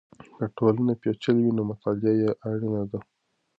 که ټولنه پېچلې وي نو مطالعه یې اړینه ده.